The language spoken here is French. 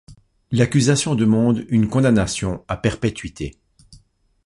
L'accusation demande une condamnation à perpétuité.